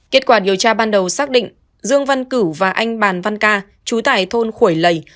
kết quả điều tra ban đầu xác định dương văn cửu và anh bàn văn ca chú tại thôn khuổi lầy